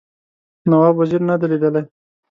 نواب وزیر نه دی لیدلی.